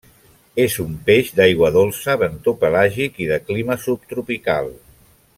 És un peix d'aigua dolça, bentopelàgic i de clima subtropical.